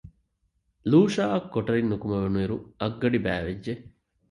ލޫޝާއަށް ކޮޓަރިން ނުކުމެވުނު އިރު އަށްގަޑި ބައިވެއްޖެ